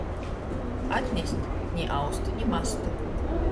Atnest ni austu, ni mastu.